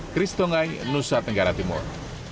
chris tongai nusa tenggara timur